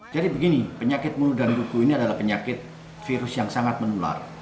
jadi begini penyakit mulut dan kuku ini adalah penyakit virus yang sangat menular